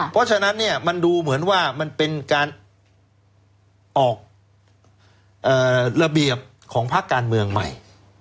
เพราะฉะนั้นเนี่ยมันดูเหมือนว่ามันเป็นการออกระเบียบของภาคการเมืองใหม่